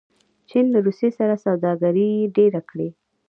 چین له روسیې سره سوداګري ډېره کړې.